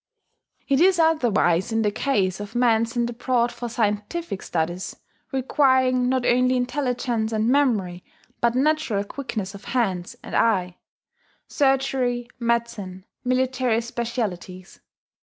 It is otherwise in the case of men sent abroad for scientific studies requiring, not only intelligence and memory, but natural quickness of hand and eye, surgery, medicine, military specialities.